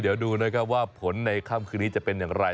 เดี๋ยวดูนะครับว่าผลในค่ำคืนนี้จะเป็นอย่างไร